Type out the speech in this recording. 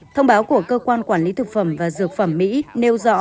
thông báo của cơ quan quản lý thực phẩm và dược phẩm mỹ nêu rõ